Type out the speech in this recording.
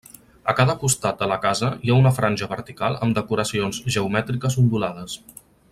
A cada costat de la casa hi ha una franja vertical amb decoracions geomètriques ondulades.